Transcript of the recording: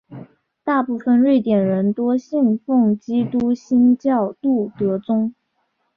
大部分瑞典人多信奉基督新教路德宗。